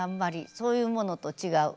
そういうものと違う。